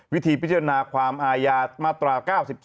วิธีพิจารณาความอาญามาตรา๙๒